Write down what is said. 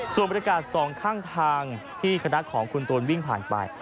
ส่วนบริการสองข้างทางที่คณะของคุณตูนวิ่งผ่านไป